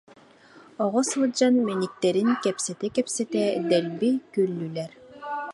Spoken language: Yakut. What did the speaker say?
Оҕо сылдьан мэниктэрин кэпсэтэ-кэпсэтэ дэлби күллүлэр